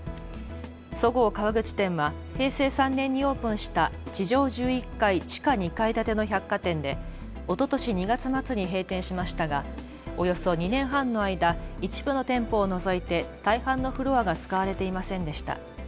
そごう川口店は平成３年にオープンした地上１１階地下２階建ての百貨店でおととし２月末に閉店しましたがおよそ２年半の間、一部の店舗を除いて大半のフロアが使われていませんでした。